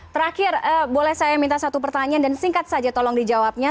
terakhir boleh saya minta satu pertanyaan dan singkat saja tolong dijawabnya